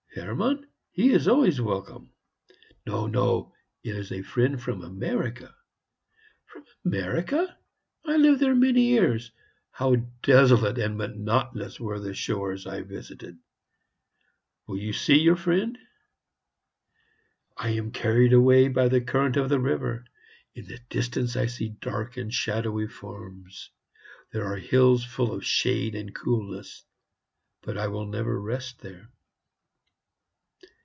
"Hermann? He is always welcome." "No; it is a friend from America." "From America?...I lived there many years...How desolate and monotonous were the shores I visited!..." "Will you see your friend?" "I am carried away by the current of the river. In the distance I see dark and shadowy forms; there are hills full of shade and coolness...but I will never rest there."